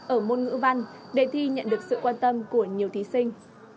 ở môn ngữ văn đề thi nhận được sự quan tâm của nhiều thí sinh